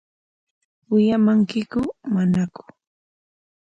¿Wiyamankiku manaku?